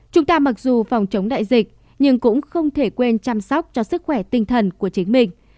chúng ta mặc dù phòng chống đại dịch nhưng cũng không thể quên chăm sóc cho sức khỏe tinh thần của chính mình